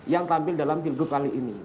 yang tampil dalam pilgub kali ini